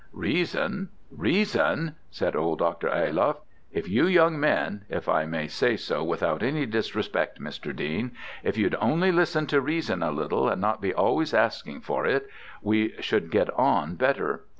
"Reason! reason!" said old Dr. Ayloff; "if you young men if I may say so without any disrespect, Mr. Dean if you'd only listen to reason a little, and not be always asking for it, we should get on better.